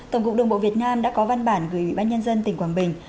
tổng cục đồng bộ việt nam đã có văn bản gửi bán nhân dân tỉnh quảng bình